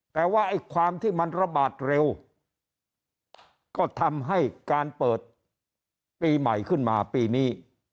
แต่ว่าไอ้ความที่มันระบาดเร็วก็ทำให้การเปิดปีใหม่ขึ้นมาปีนี้